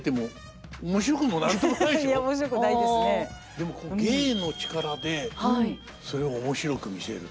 でも芸の力でそれを面白く見せるという。